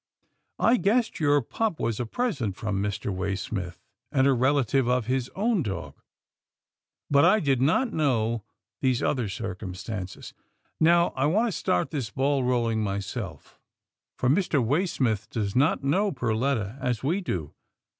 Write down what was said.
I guessed your pup was a FLIGHT OF A WILD GOOSE 173 present from Mr. Way smith, and a relative of his own dog, but I did not know these other circum stances — Now I want to start this ball rolling myself, for Mr. Way smith does not know Perletta as we do.